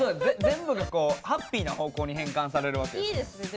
全部がこうハッピーな方向に変換されるわけですね。